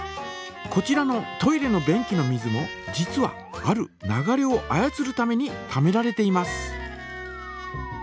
こちらのトイレの便器の水も実はある流れを操るためにためられています。